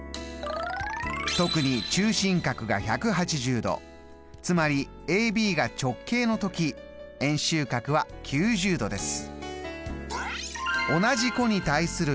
特に中心角が１８０度つまりＡＢが直径の時円周角は９０度です。